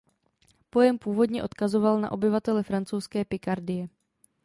Pojem původně odkazoval na obyvatele francouzské Pikardie.